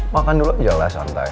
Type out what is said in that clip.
makan dulu aja lah santai